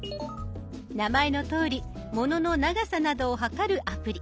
名前のとおりものの長さなどを測るアプリ。